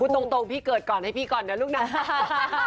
ตรงพี่เกิดก่อนให้พี่ก่อนนะลูกนะ